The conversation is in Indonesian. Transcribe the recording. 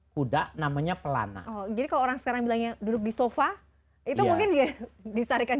kuda namanya pelana oh jadi kalau orang sekarang bilangnya duduk di sofa itu mungkin dia disarikan